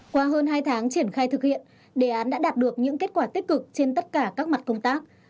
qua hơn hai tháng triển khai thực hiện đề án đã đạt được những kết quả tích cực trên tất cả các mặt công tác